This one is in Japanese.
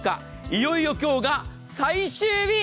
いよいよ今日が最終日。